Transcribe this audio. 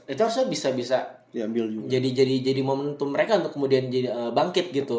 itu harusnya bisa bisa diambil jadi momentum mereka untuk kemudian bangkit gitu